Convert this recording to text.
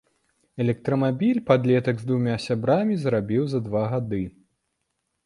Электрамабіль падлетак з двума сябрамі зрабіў за два гады.